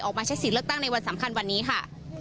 มาใช้สิทธิ์เลือกตั้งในวันสำคัญวันนี้ค่ะ